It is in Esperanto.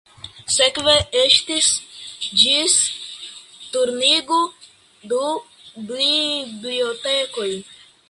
Sekve ekzistis ĝis Turniĝo du bibliotekoj.